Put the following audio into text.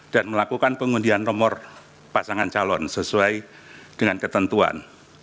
dan melakukan pengundian nomor pasangan calon sesuai dengan ketentuan